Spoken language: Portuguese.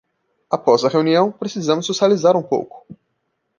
Após a reunião, precisamos socializar um pouco!